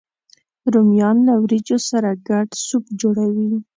رومیان له ورېجو سره ګډ سوپ جوړوي